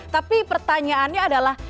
tapi pertanyaannya adalah